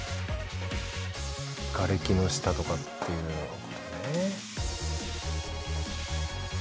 がれきの下とかっていうような事ね。